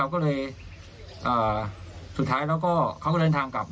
ก็เลยสุดท้ายเขาก็เลินทางกลับ